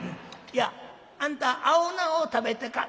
「いやあんた青菜を食べてか？」。